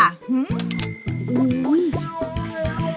อุ้ย